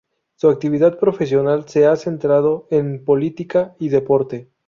Su actividad profesional se ha centrado en política y deporte.